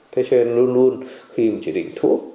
thế cho nên luôn luôn khi chỉ định thuốc